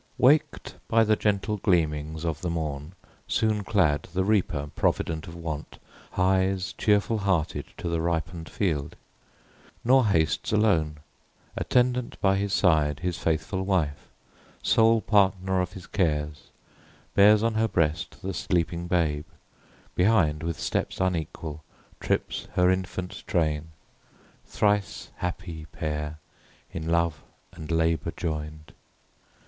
Waked by the gentle gleamings of the morn, Soon clad, the reaper, provident of want, Hies cheerful hearted to the ripen'd field: Nor hastes alone: attendant by his side His faithful wife, sole partner of his cares, Bears on her breast the sleeping babe; behind, With steps unequal, trips her infant train; Thrice happy pair, in love and labour join'd